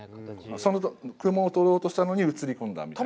その雲を撮ろうとしたのに映り込んだみたいな。